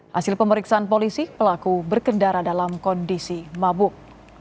hasil pemeriksaan polisi pelaku berkendara dalam kondisi mabuk